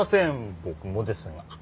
僕もですが。